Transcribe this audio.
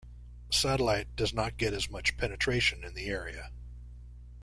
Satellite does not get as much penetration in the area.